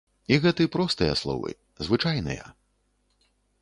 І гэты простыя словы, звычайныя.